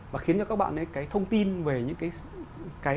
và khiến cho các bạn ấy cái thông tin về những cái